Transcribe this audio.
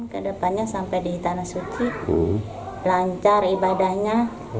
kedepannya sampai di tanah suci lancar ibadahnya